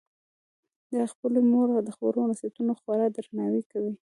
هغه د خپلې مور د خبرو او نصیحتونو خورا درناوی کوي